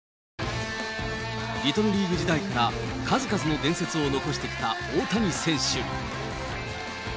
リトルリーグ時代から数々の伝説を残してきた大谷選手。